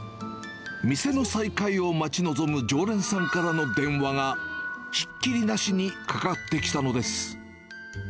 店の再開を待ち望む常連さんからの電話がひっきりなしにかかってきたのです。